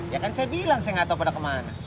ya kan saya bilang saya nggak tahu pada kemana